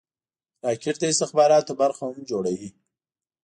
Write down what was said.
راکټ د استخباراتو برخه هم جوړوي